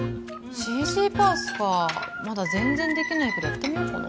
ＣＧパースかまだ全然できないけどやってみよっかな